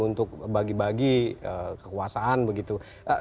untuk bagi bagi kekuasaan begitu